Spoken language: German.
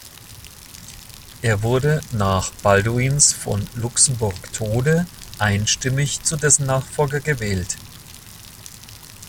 Er wurde nach Balduins von Luxemburg Tode einstimmig zu dessen Nachfolger gewählt.